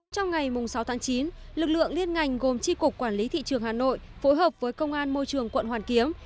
trong ngày sáu tháng chín lực lượng liên ngành gồm tri cục quản lý thị trường hà nội phối hợp với công an môi trường quận hoàn kiếm